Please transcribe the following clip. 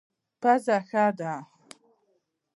پزه ښه ده.